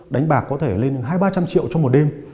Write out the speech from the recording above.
đánh bạc có thể lên hai trăm linh ba trăm linh triệu trong một đêm